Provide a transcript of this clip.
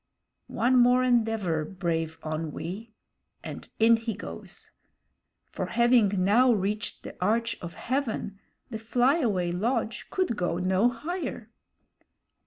One more endeavor, brave Onwee, and in he goes; for having now reached the arch of heaven, the flyaway lodge could go no higher.